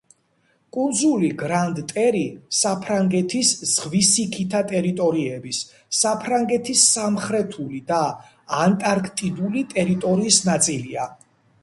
კუნძული გრანდ-ტერი საფრანგეთის ზღვისიქითა ტერიტორიების, საფრანგეთის სამხრეთული და ანტარქტიდული ტერიტორიის ნაწილია.